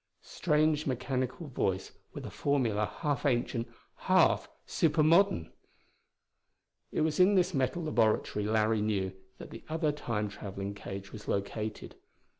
Strange mechanical voice with a formula half ancient, half super modern! It was in this metal laboratory, Larry knew, that the other Time traveling cage was located.